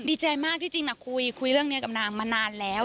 ดีใจมากที่จริงคุยเรื่องนี้กับนางมานานแล้ว